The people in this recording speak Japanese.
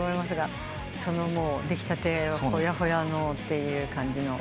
その出来たてほやほやって感じの。